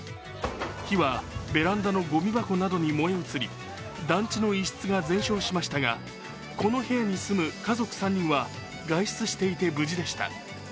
火はベランダのゴミ箱などに燃え移り団地の一室が全焼しましたがこの部屋に住む家族３人は外出していて無事でした。